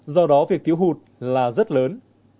do đó việc thiếu hụt là rất lớn